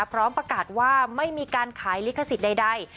พร้อมประกาศว่าไม่มีการขายลิขสิทธิ์ใด